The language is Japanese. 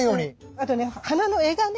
あとね花の柄がね